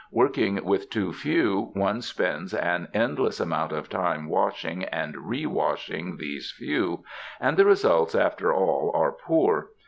Working with too few, one spends an endless amount of time washing and rewashing these few, and the results after all are poor.